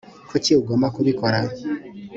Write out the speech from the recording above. kuki ugomba kubikora